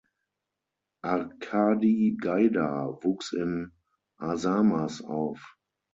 Arkadi Gaidar wuchs in Arsamas auf.